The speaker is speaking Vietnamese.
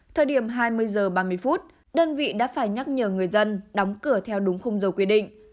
thời điểm hai mươi h ba mươi phút đơn vị đã phải nhắc nhở người dân đóng cửa theo đúng khung giờ quy định